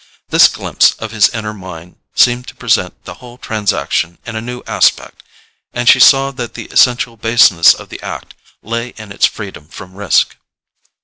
This glimpse of his inner mind seemed to present the whole transaction in a new aspect, and she saw that the essential baseness of the act lay in its freedom from risk.